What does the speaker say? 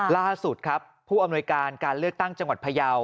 ล่าสุดครับผู้อำนวยการการเลือกตั้งจังหวัดพยาว